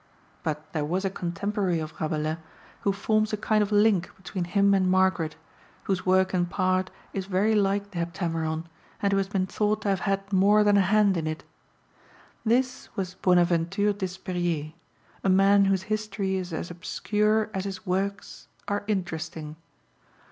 But there was a contemporary of Rabelais who forms a kind of link between him and Margaret, whose work in part is very like the Heptameron, and who has been thought to have had more than a hand in it. This was Bonaventure Despériers, a man whose history is as obscure as his works are interesting.